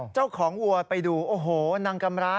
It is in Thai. เจ้าของวัวไปดูโอ้โหนางกำไร